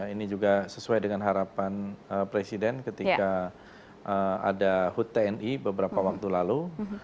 ini juga sesuai dengan harapan presiden ketika ada hud tni beberapa waktu lalu